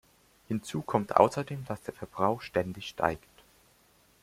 Hinzu kommt außerdem, dass der Verbrauch ständig steigt.